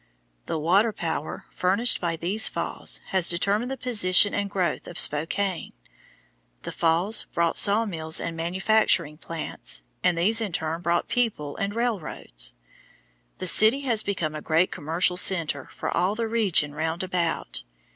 The water power furnished by these falls has determined the position and growth of Spokane. The falls brought sawmills and manufacturing plants, and these in turn brought people and railroads. The city has become a great commercial centre for all the region round about.